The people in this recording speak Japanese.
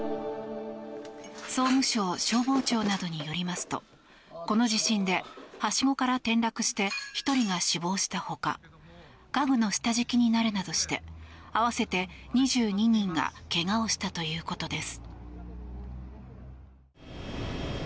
総務省消防庁などによりますとこの地震で、はしごから転落して１人が死亡した他家具の下敷きになるなどして合わせて２２人がけがをしたということです。